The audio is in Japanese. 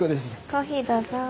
コーヒーどうぞ。